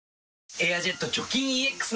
「エアジェット除菌ＥＸ」